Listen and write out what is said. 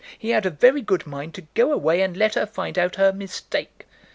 he had a very good mind to go away and let her find out her mistake.